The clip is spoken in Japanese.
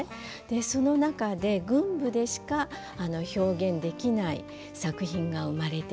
その中で群舞でしか表現できない作品が生まれていきます。